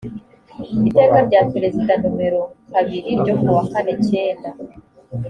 iteka rya perezida nomero kabiri ryo ku wa kane cyenda